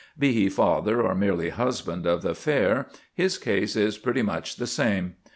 Be he father or merely husband of the fair, his case is pretty much the same.